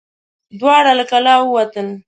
دواړه له کلا ووتل.